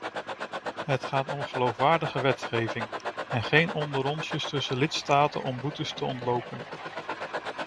Het gaat om geloofwaardige wetgeving en geen onderonsjes tussen lidstaten om boetes te ontlopen.